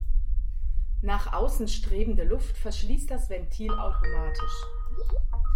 Nach außen strebende Luft verschließt das Ventil automatisch.